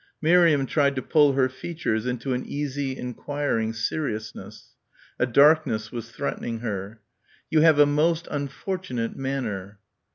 Miriam tried to pull her features into an easy enquiring seriousness. A darkness was threatening her. "You have a most unfortunate manner."